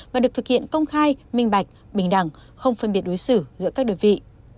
và được thực hiện công khai minh bạch bình đẳng không phân biệt đối xử giữa các đơn vị